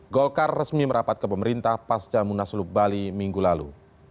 golkar resmi merapat ke pemerintah pasca munaslup bali minggu lalu